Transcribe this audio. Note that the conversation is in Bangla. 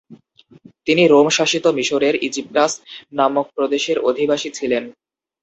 তিনি রোম-শাসিত মিশরের ইজিপ্টাস নামক প্রদেশের অধিবাসী ছিলেন।